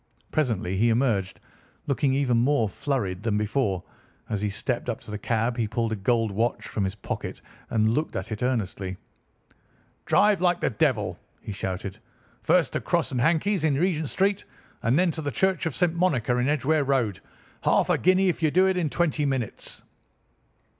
Presently he emerged, looking even more flurried than before. As he stepped up to the cab, he pulled a gold watch from his pocket and looked at it earnestly, 'Drive like the devil,' he shouted, 'first to Gross & Hankey's in Regent Street, and then to the Church of St. Monica in the Edgeware Road. Half a guinea if you do it in twenty minutes!